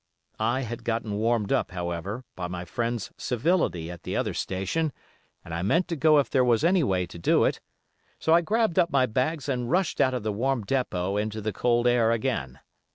I had gotten warmed up, however, by my friend's civility at the other station, and I meant to go if there was any way to do it, so I grabbed up my bags and rushed out of the warm depot into the cold air again.